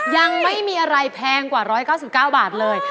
ยังไม่มีอะไรแพงกว่า๑๙๙บาทเลย